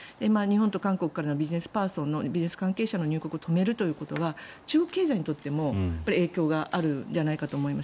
日本と韓国からのビジネス関係者の入国を止めるということは中国経済にとっても影響があるのではないかと思います。